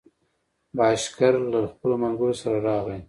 بهاشکر له خپلو ملګرو سره راغی.